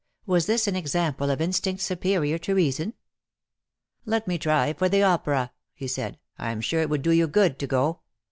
Was this an example of instinct superior to reason ?" Let me try for the opera/' he said. ^' Vm. sure it would do you good to go.